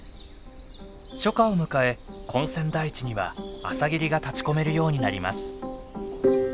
初夏を迎え根釧台地には朝霧が立ちこめるようになります。